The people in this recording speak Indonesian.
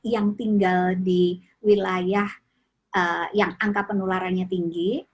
yang tinggal di wilayah yang angka penularannya tinggi